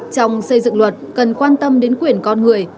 trong xây dựng luật cần quan tâm đến quyền con người